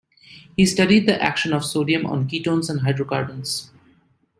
He studied the action of sodium on ketones and hydrocarbons.